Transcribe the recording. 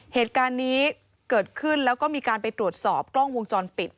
เหตุการณ์นี้เกิดขึ้นแล้วก็มีการไปตรวจสอบกล้องวงจรปิด